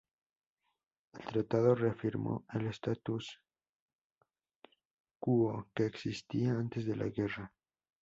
El tratado reafirmó el status-quo que existía antes de la guerra.